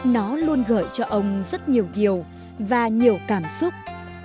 nó luôn gợi cho ông rất nhiều điều và nhiều cảm xúc